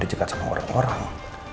di cekat sama orang orang